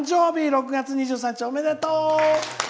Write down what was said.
６月２３日おめでとう！